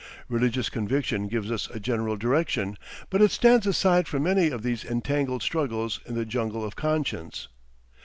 Religious conviction gives us a general direction, but it stands aside from many of these entangled struggles in the jungle of conscience.